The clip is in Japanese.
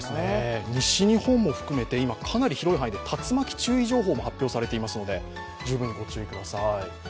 西日本も含め、かなり広い範囲で竜巻注意情報も出ておりますので十分にご注意ください。